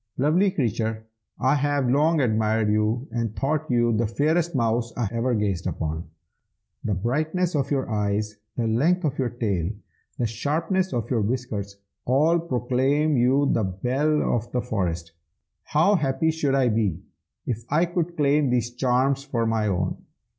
'Lovely creature, I have long admired you, and thought you the fairest mouse I ever gazed upon. The brightness of your eyes, the length of your tail, the sharpness of your whiskers, all proclaim you the belle of the forest. How happy should I be, if I could claim these charms for my own!